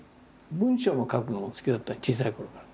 文章を書くのも好きだった小さいころから。